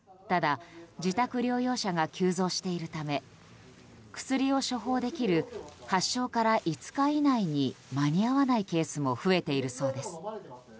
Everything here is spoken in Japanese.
ただ、自宅療養者が急増しているため薬を処方できる発症から５日以内に間に合わないケースも増えているそうです。